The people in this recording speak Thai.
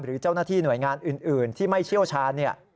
หรือเจ้าหน้าที่หน่วยงานอื่นที่ไม่เชี่ยวชาญ